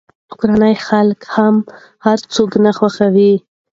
کورني خلک هم هر څوک نه خوښوي.